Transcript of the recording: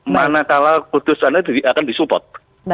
mana kalau kudus itu akan disupport